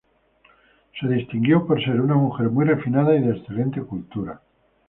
Se distinguió por ser una mujer muy refinada y de excelente cultura.